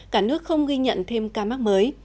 cả nước không ghi nhận thêm ca mắc mới